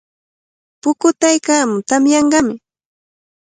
Pukutaykaamun, tamyanqami.